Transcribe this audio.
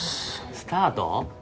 スタート？